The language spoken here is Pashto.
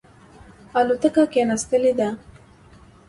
الوتکه کښېنستلې ده.